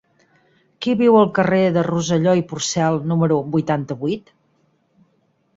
Qui viu al carrer de Rosselló i Porcel número vuitanta-vuit?